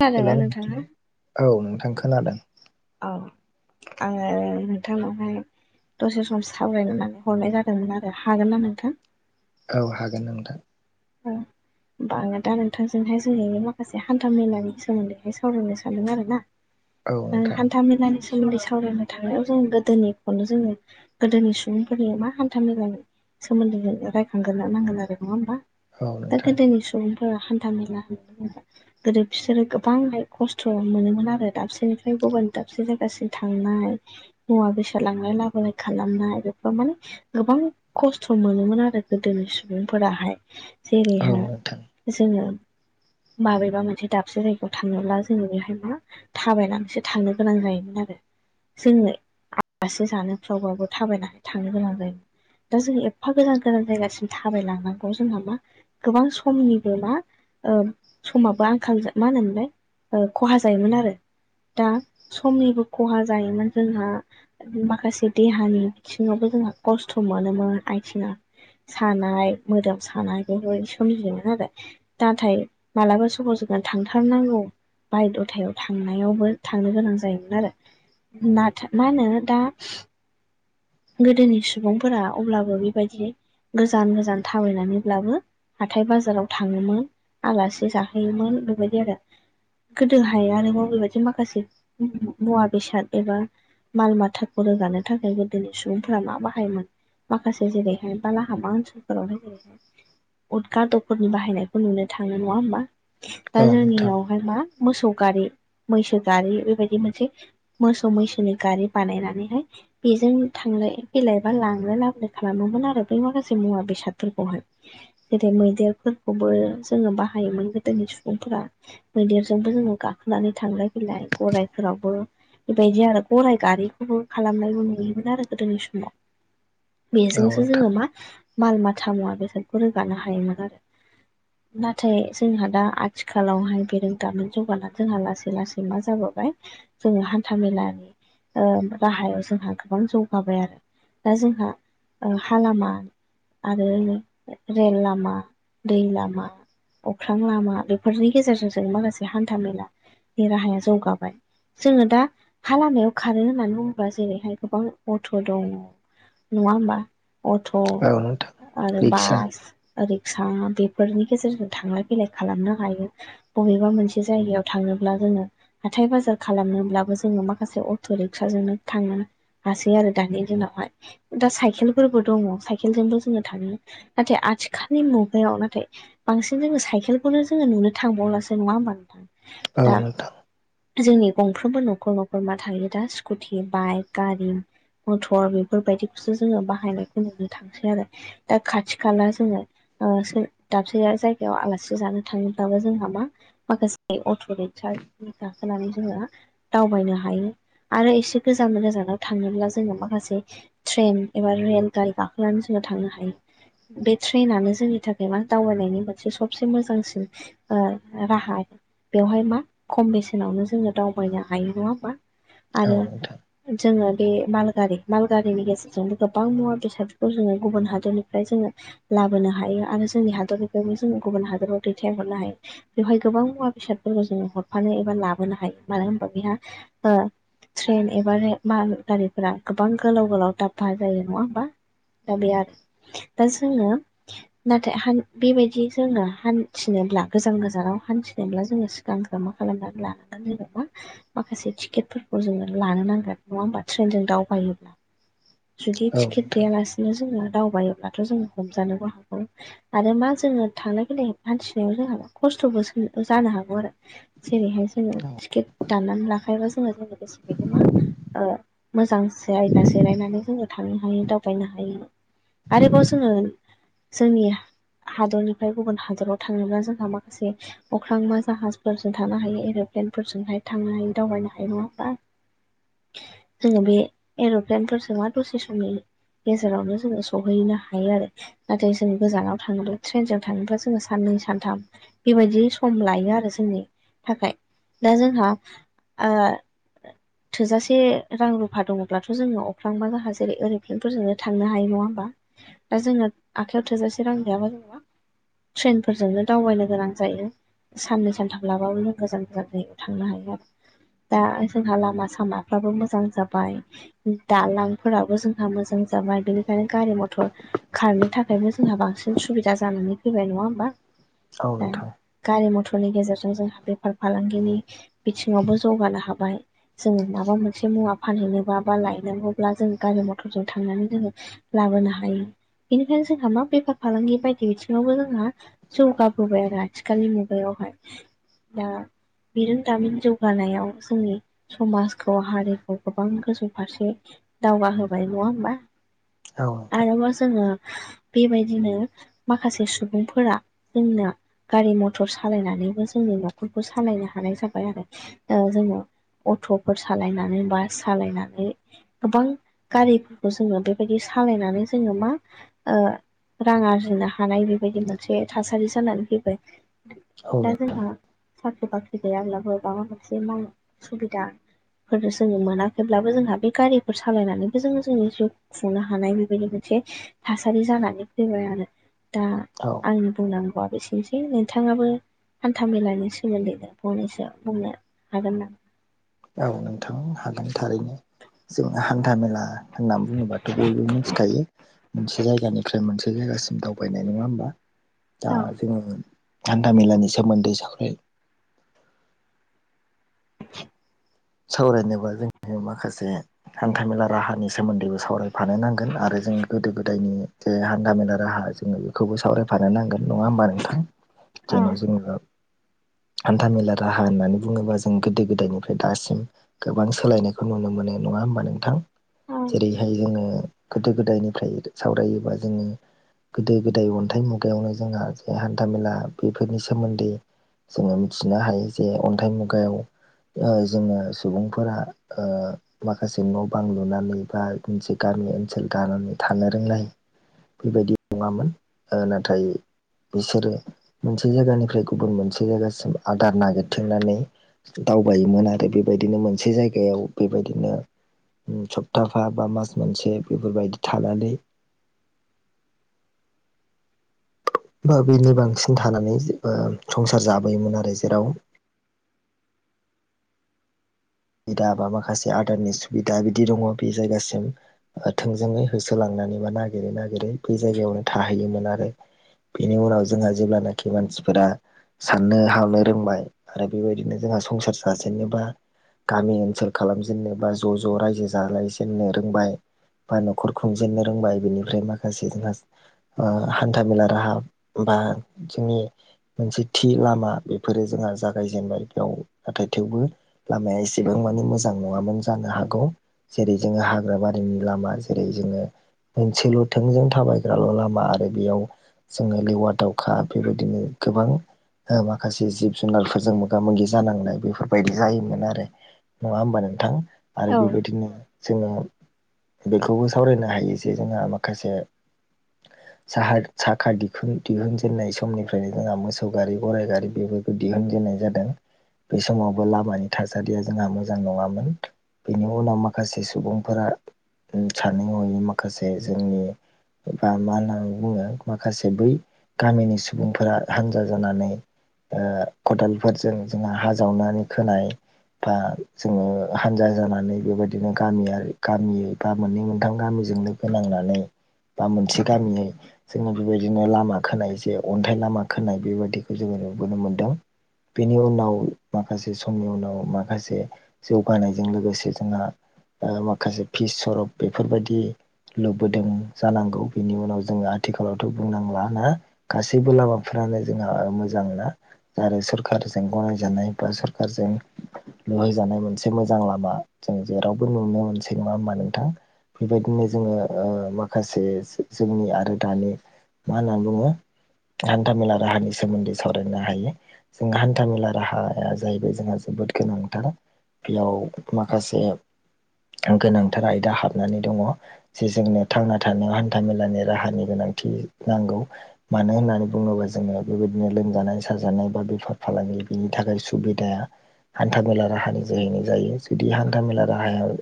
खोनादोंना हेल' नोंथाङा न औ नोंथां खोनादों। औ आङो नोंथांनावहाय दसे सम सावरायनो होननानै हरनाय जादोंमोन आरो हागोना नोंथां? औ हागोन नोंथां। [unintelligible] [inaudible] होमबा आङो दा नोंथांजोंहाय जों माखासे हान्था मेलानि सोमोन्दैहाय सावरायनो सानदों आरो ना। औ ओ नोंथां हान्था मेलानि सोमोन्दै सावरायनो थांनायाव जों गोदोनिखौनो जोङो गोदोनि सुबुंफोरनि मा हान्था मे जां सोमोन्दो रायखांगोरना नांगोन आरो नङा होनबा? औ दा नोंथां गोदोनि सुबुंफोरा हान्था मेला होन ना गोदो बिसोरो गोबांहाय खस्थ' मोनोमोन आरो दाबसेनिफ्राय गुबुन दाबसे जायगासिम थांनाय मुवा बेस लांलाय लाबोलाय खालामनाय बेफोर माने गोबां खस्थ' मोनोमोन आरो गोदोनि सुबुंफोराहाय। औ जेरैहा नोंथां जोङो माबेबा मोनसे दाबसे जायगायाव थाङोब्ला जों बेहाय मा थाबायनानैसो थांनो गोनां जायोमोन आरो जोंनो आलासि जानोफ्रावबाबो थाबायनानै थांनो गोनां जायोमोन। दा जोंङ एफा गोजान गोजान जायगासिम थाबायलांनांगौ जोंहा मा गोबां समनिबो मा ओ समाबो आंखाल मा होनोमलाय खहा जायोमोन आरो दा समनिबो खहा जायोमोन जोंहा। माखासे देहानि बिथिङावबो जोंहा खस्थ' मोनोमोन आयथिङा। सानाय मोदोमाव सानाय बेबायदि सोममिजोमोन आरो। नाथाय मालाबा सहरजोंनो थांथारनांगौ। बाय द'थायाव थांनायावबो थांनो गोनां जायोमोन आरो नाथा मा होनो दा। गोदोनि सुबुंफोरा अब्लाबो बेबायदि गोजान गोजान थाबायनानैब्लाबो हाथाय बाजाराव थाङोमोन आलासि जाहोयोमोन बेबायदि आरो। गोदोहाय आरोबाव बेबायदि माखासे मुवा बेसाद एबा माल माथाखौ रोगानो थाखायबो दिनै सुबुंफोरा मा बाहायोमोन माखासे जेरैहाय बालाहाबा ओनसोलफोरावहाय जेरैहाय उदगा दखनि बाहायनायखौ नुनो थाङो नङा होमबा? औ दा नोंथां जोंनियावहाय मा मोसौ गारि मैसो गारि बेबायदि मोनसे मोसौ मैसोनि गारि बानायनानैहाय बेजों थांलाय गेलायबा लांलाय लाबोलाय खालामोमोन आरो बै माखासे मुवा बेसादफोरखौहाय। जेरै मैदेरफोरखौबो जोङो बाहायोमोन गोदोनि सुबुंफोरा। मैदेरजोंबो जोङो गाखोनानै थांलाय फैलाय गराइफोरावबो। बेबायदि आरो गराइ गारिखौबो खा‌लामनायबो नुयोमोन आरो। गोदोनि समाव औ बेजोंसो नोंथां जोङो मा माल मााथामुवा बेसोरखौ रोगानो हायोमोन आरो। [inaudible] नाथाय जोंहा दा आथिखालावहाय बेरोंदामोन जौगाना जोंहा लासै लासै मा जाबोबाय जोङो हान्था मेलानि ओ राहायाव जोंहा गोबां जौग माबाय आरो दा जोंहा ओ हा लामा आरो रेल लामा दै लामा अख्रां लामा बेफोरनि गेजेरजों जों माखासे हान्था मेला बे राहाया जौगाबाय जोङो दा हा लामायाव खारो होननानै बुङोब्ला जेरैहाय गोबां अट' दङ नङा होमबा अट' औ नोंथां आरो रिक्सा बास। रिक्सा बेफोरनि गेजेरजों थांलाय फैलाय खालामनो हायो बबेबा मोनसे जायगायाव थाङोब्ला जोङो हाथथाय बाजार खालामनोब्लाबो जोङो माखासे अट' रिक्साजोंनो थाङो। हासै आरो दानि दिनावहाय। दा साइकेलफोरबो दङ साइकेलजोंबो जोङो थाङो नाथाय आथिखालनि मुगायाव नाथाय बांसिन जोङो साइकेलखौनो जोङो नुनो थांबावलासो नङा होमबा नोंथां? औ दा नोंथां जोंनि गंफ्रोमबो न'खर न'खर मा थायो दा स्कुटि बाइक गारि। मथर बेफोरबायदिखौसो जोङो बाहायनायखौ नुनो थांसै आरो। दा खाथि खाला जोङो ओ दाबसे जायगायाव आलासि जानो थाङोबब्लाबो जोंहा मा माखासे अट' रिक्सा गाखोनानै जोङो दावबायनो हायो आरो एसे गोजान गोजानाव थाङोब्ला जोङो माखासे ट्रेन एबा रेल गारि गाखोनानै जोङो थांनो हायो। बे ट्रेनानो जोंनि थाखाय मा दावबायनायनि मोनसे सबसे मोजांसिन। ओ- राहा बेवहाय मा खम बेसेनावनो जोङो दावबायनो हायो नङा होमबा? आरो औ नोंथां जोङो बे माल गारि मालगारिनि गेजेरजोंबो गोबां मुवा बेसादफोरखौ जोङो गुबुन हादरनिफ्राय जोङो लाबोनो हायो आरो जोंनि हादरनिफ्रायनो जों गुबुन हादराव दैथायहरनो हायो। बेवहाय गोबां मुवा बेसादफोरखौ जोङो हरफानो एबा लाबोनो हायो मानो होनबा बेहा ओ ट्रेन एबा माल गारिफोरा गोबां गोलाव गोलाव दाब्बा जायो नङा होमबा। दा बे आरो दा जोङो नाथाय हान बेबायदि जोङो हान्थिनोब्ला गोजान गोजानाव हान्थिनोब्ला जोङो गानग्र मा खालामनानै लानांगोन जेनेबा माखासे टिकेटफोरखौ जोङो लानो नांगोन। नङा होमबा ट्रेनजों दावबायोब्ला जुदि औ टिकेट नोंथां गैयालासिनो जोङो दावबायायोब्लाथ' जोङो हमजानोबो हागौ। आरो मा जोङो थांलाय फैलाय हान्थिनायाव जोंहा खस्थ'बो जानो हागौ आरो। जेरैहाय जोङो औ टिकेट दाननानै लाखायोबा जोङो जों गोसो बायदि मा ओ मोजां जायगा जिरायनानै जोङो थांनो हायो दावबायनो हायो। आरोबाव जोङो जोंनि हादरनिफ्राय गुबुन हादराव थांङोब्ला जोंहा माखासे अख्रां मा जाहाजफोरजों थांनो हायो एर'प्लेनफोरजोंहाय थांनो हायो दावबायनो हायो नङा होनबा? जोङो बे एर'प्लेनफोरजों मा दसे समनि गेजेरावनो जोङो सहैनो हायो आरो। नाथाय जों गोजानाव थाङोब्ला ट्रेनजों थाङोब्ला जोङो साननै सानथाम बेबायदि सम लायो आरो जोंनि थाखाय दा जोंहा ओ थोजासे एसे रां रुफा दङब्लाथ' जोङो अख्रां बा जोंहा जेरै एर'प्लेनफोरजोंनो थांनो हायो नङा होमबा? दा जोङो आखाइयाव थोजासे रां गैयाबा [inaudible] ट्रेनफोरजोंनो दावबायनो गोनां जायो। साननै सानथाम लाबाबो जों गोजान गोजान जायगायाव थांनो हायो आरो दा जोंहा लामा सामा बाबो मोजां जाबाय। दालांफोराबो जोंहा मोजां जाबाय बेनिखायनो गारि मथर खारनो थाखायबो जोंहा बांसिन सुबिदा जानानै फैबाय नङा होमबा? औ दा नोंथां। गारि मथरनि गेजेरजों जोंहा बेफार फालांगिनि बिथिङावबो जौगानो हाबाय जोङो मा माबा मोनसे मुवा फानहैनोबा बा लायनांगौब्ला जों गारि मथरजों थांनानै जोङो लाबोनो हायो बेनिखायनो जोंहा मा बेफार फालांगि बायदि बिथिङावबो जोंहा जौगाबोबाय आरो आथिखालनि मुगायावहाय। दा बिरोंदामिन जौगानायाव जोंनि समाज खौ हारिखौ गोबां गोजौ फारसे दावगाहोबाय नङा होमबा? औ नोंथां आरोबाव जोङो बेबायदिनो माखासे सुबुंफोरा जोंनो गारि मथर सालायनानैबो जोंनि न'खरखौ सालायनो हानाय जाबाय आरो। ओ जोङो अट'फोर सालायनानै बास सालायनानै गोबां गारिफोरखौ जोङो बेबायदि सालायनानै जोङो मा रां आरजिनो हानाय बेबायदि मोनसे थासारि जानानै फैबाय। औ दा नों जोंहा साख्रि बाख्रि गैयाब्लाबो माबा मोनसे मावनो सुबिदा फोरनो जोङो मोनाखैब्लाबो जोंहा बे गारिफोर सालायनानैबो जोङो जोंनि जिउ खुंनो हानाय बेबायदि मोनसे थासारि जानानै फैबाय आरो दा औ आंनि बुंनांगौआ बेसेनोसै नोंथाङाबो हान्था मेलानि सोमोन्दैनो फंनैसो बुंनो हागोन नामा? औ नोंथां हागोन थारैनो जों हान्था मेला होनना बुङोबाथ' बयबो मिथिखायो। मोनसे जायगानिफ्राय मोनसे जायगासिम दावबायनाय नङा होमबा? दा औ जोङो हान्था मेलानि सोमोन्दै साख सावरायनोबा जों माखासे हान्थामेला राहानि सोमोन्दैबो सावरायफानो नांगोन आरो जों गोदो गोदायनि जे हान्थामेला राहा जोङो बेखौबो सावरायफानो नांगोन नङा होमबा नोंथां? औ जेन' जोङो हान्थामेला राहा होननानै बुङोबा जों गोदो गोदायनिफ्राय दासिम गोबां सोलायनायखौ नुनो मोननाय नङा होमबा नोंथां? औ जेरैहाय जोङो गोदो गोदायनिफ्राय सावरायोबा जोङो गोदो गोदाय अन्थाइ मुगायावनो जोंहा जे हान्था मेला बेफोरनि सोमोन्दै जोङो मिथिनो हायो जे अन्थाइ मुगायाव ओ जोङो सुबुंफोरा ओ माखासे न' बां लुनानै बा मोनसे गामि ओनसोल गानानै थानो रोंनाय बेबायदि नङामोन ओ नाथाय बिसोरो मोनसे जायगानिफ्राय गुबुन मोनसे जायगासिम आदार नागिरथिंनानै दाव बायोमोन आरो बेबायदिनो मोनसे जायगायाव बेबायदिनो सप्ताफा बा मास मोनसे बेफोरबायदि थानानै बा बेनि बांसिन थानानै संसार जाबोयोमोन आरो जेराव सुबिदा बा माखासे आदारनि सुबिदा बिदि दङ बे जायगासिम ओ थोंजोङै होसोलांनानै बा नागिरै नागिरै बै जायगायावनो थाहैयोमोन आरो। बेनि उनाव जोंहा जेब्लानाखि मानसिफोरा साननो हाबनो रोंबाय आरो बेबायदिनो जोंहा संसार जाजेनोबा। गामि ओनसोल खालामजेननो बा ज' ज' राय्जो जालायजेननो रोंबाय। बा न'खर खुंजेननो रोंबाय बेनिफ्राय माखासे जोंहा ओ हान्था मेला राहा बा जोंनि मोनसे थि लामा बेफोरो जोंहा जागायजेनबाय बेयाव नाथाय थेवबो लामाया एसे एसेबां मानि मोजां नङामोन जानो हागौ। जेरै जोङो हाग्रा बारिनि लामा। जेरै जोङो मोनसेल' थोंजों थाबायग्राल' लामा आरो बेयाव जोङो लेवार दावखा बेबायदिनो गोबां ओ माखासे जिब जुनारफोरजों मोगा मोगि जानांनाय बेफोरबायदि जायोमोन आरो। नङा होमबा नोंथां। आरो बेबायदिनो जोङो बेखौबो सावरायनो हायो जे जोंहा माखासे साहा साखा दिखुन दिहुनजेननाय समनिफ्रायनो जोंहा मोसौ गारि गराइ गारि बेबो दिहुनजेननाय जादों। बे समावबो लामानि थासारि या जोंहा मोजां नङामोन बेनि उनाव माखासे सुबुंफोरा ओम सानै हयै माखासे जोंनि बा मा होननानै बुङो माखासे बै गामिनि सुबुंफोरा हान्जा जानानै। ओ खदालफोरजों जोंहा हा जावनानै खोनाय। बा जोङो हानजा जानानै बेबायदिनो गामियारि गामि बा मोननै मोनथाम गामिजोंनो होनांनानै। बा मोनसे गामियै जोङो बेबायदिनो लामा खोनाय जे अन्थाइ लामा खोनाय बेबायदिखौ जोङो नुबोनो मोन्दों। बेनि उनाव माखासे समनि उनाव मा माखासे जौगानायजों लोगोसे जोंहा ओ माखासे फिस सरब बेफोरबायदि। लुबोदों जानांगौ बिनि उनाव जोङो आथिखालावथ' बुंनांला ना। गासैबो लामाफ्रानो जोंहा मोजां ना। आरो सरखारजों गनायजानाय बा सरखारजों। लुहैजानाय मोनसे मोजां लामा जों जेरावबो नुनो मोनसै नङा होमबा नोंथां। बेबायदिनो जोङो ओ माखासे जोंनि आरो दानि मा होननानै बुङो हान्थामेला राहानि सोमोन्दै सावरायनो हायो। जों हान्थाामेला राहाया जाहैबाय जोंहा जोबोद गोनां। दा बेयाव माखासे गोनांथार आयदा हाबनानै दङ। जे जोंनो थांना थानायाव हान्था मेलानि राहानि गोनांथि नांगौ। मानो होननानै बुङोबा जोङो बेबायदिनो लोमजानाय साजानाय। बा बेफार फालांगि बेनि थाखाय सुबिदाया। हान्था मेला राहानि जोहैनो जायो। जुदि हान्था मेला राहाया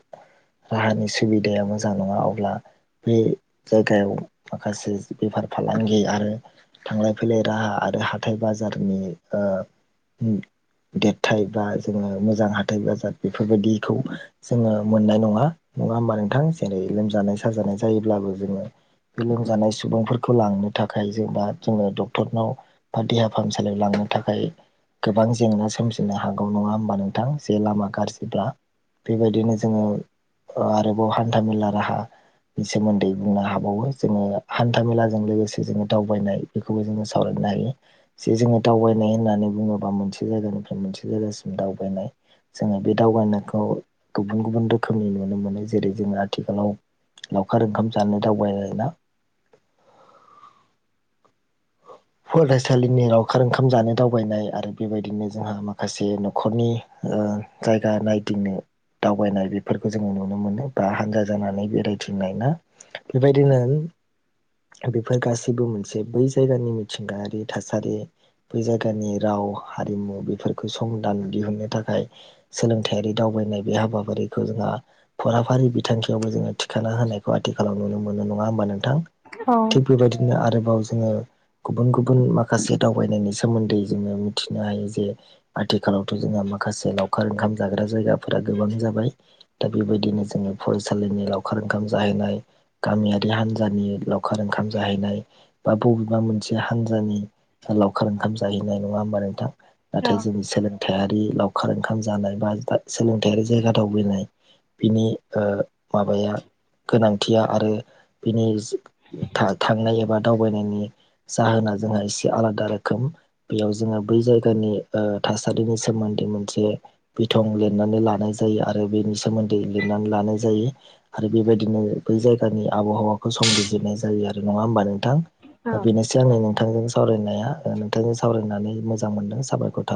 राहानि सुबिदाया मोजां नङा। अब्ला बे जायगायाव थांलाय फैलाय राहा। आरो हाथाइ बाजारनि ओ उम देरथाय बा जोङो मोजां हाथाइ बाजार बेफोरबायदिखौ। जोङो मोननाय नंङा। नंङा होमबा नोंथां जेरै लोमजानाय साजानाय जायोब्लाबो जोंङो। बे लोमजानाय सुबुंफोरखौ लांनो थाखाय जेनबा जोंङो डक्टरनाव। बा देहा फाहामसालियाव लांनो थाखाय गोबां जेंना सोमजिनो हागौ। नंङा होमबा नों थां जे लामा गाज्रिब्ला बेबायदिनो जोंङो। ओ आरोबाव हान्था मेला राहा। बे सोमोन्दै बुंनो हाबावो। जोंङो हान्था मेलाजों लोगोसे जोंङो दावबायनाय। बेखौबो जोंङो सावरायनो हायो। जे जोंङो दावबायनाय होननानै बुंङोबा मोनसे जायगानिफ्राय मोनसे जायगासिम दावबायनाय। जोंङो बे दावबायनायखौ गुबुन गुबुन रोखोमनि नुनो मोनो जेरै जोंङो आथिखालाव। लावखार ओंखाम जानो दावबायल ना फरायसालिनि लावखार ओंखाम जानो दावबायनाय आरो बेबायदिनो जोंहा माखासे न'खरनि जायगा नायदिंनो दावबायनाय बेफोरखौ जोंङो नुनो मोनो बा हानजा जानानै बेरायथिंनाय ना बेबायदिनो बेफोर गासैबो मोनसे बै जायगानिसे मिथिंगायारि थासारि बै जायगानि राव हारिमु बेफोरखौ समंदान दिहुननो थाखाय सोलोंथायारि दावबायनाय बे हाबाफारिखौ जोंहा फराफारि बिथांखियावबो जोंङो थिखा होनायखौ आथिखालाव नुनो मोनो नंङा होमबा नोंथां औ थिग बेबायदिनो आरोबाव जोंङो गुबुन गुबुन माखासे दावबायनायनि सोमोन्दै जोंङो मिथिनो हायो जे आथिखालावथ' जोंहा माखासे लावखार ओंखाम जाग्रा जायगाफोरा गोबां जाबाय दा बेबायदिनो जोंङो फरायसालिनि लावखार ओंखाम जाहैनाय गामियारि हान्जानि लावखार ओंखाम जाहैनाय बा बबेबा मोनसे मोनसे हानजानि लावखार ओंखाम जाहैनाय नंङा होमबा नोंथां औ नाथाय जोंनि सोलों सोंथायारि लावखार ओंखाम जानाय बा सोलोंथायारि जायगा दावबायनाय बिनि माबाया गोनांथिया आरो बिनि थांनाय एबा दावबायनायनि जाहोना जोंहा एसे आलादा रोखोम बेयाव जोंङो बै जायगानि थासारिनि सोमोन्दै मोनसे बिथं लिरनानै लानाय जायो आरो बेनि सोमोन्दै लिरनानै लानाय जायो। आरो बेबायदिनो बै जायगानि आबहावाखौ संबिजिदनाय जायो आरो नंङा होमबा नोंथां औ बेनोसै आंङो नोंथांजों सावरायनाया नोंथांजों सावरायनानै मोजां मोनदों साबायख थाबाय